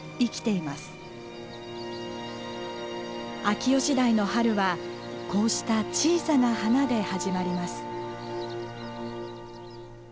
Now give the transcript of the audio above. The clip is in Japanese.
秋吉台の春はこうした小さな花で始まります。